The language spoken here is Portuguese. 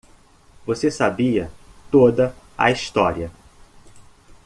Você sabia toda a história.